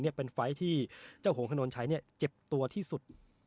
เป็นไฟล์ที่เจ้าหงถนนชัยเจ็บตัวที่สุด